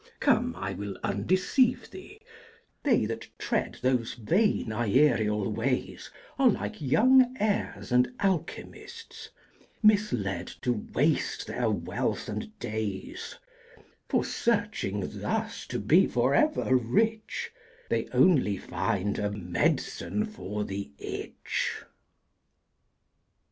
Come, I will undeceive thee, they that tread Those vain aerial ways Are like young heirs and alchemists misled To waste their wealth and days, For searching thus to be for ever rich, They only find a med'cine for the itch.